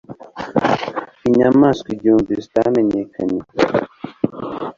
Inyamaswa igihumbi zitamenyekanye